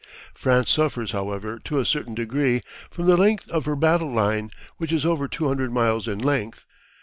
France suffers, however, to a certain degree from the length of her battle line, which is over 200 miles in length.